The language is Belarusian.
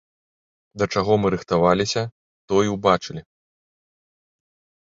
Да чаго мы рыхтаваліся, то і ўбачылі.